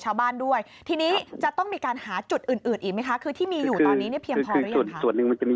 อาตย์ที่จะต้องเอาละบิดุคน้ำเติมโดยส่งอ